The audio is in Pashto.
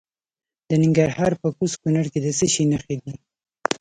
د ننګرهار په کوز کونړ کې د څه شي نښې دي؟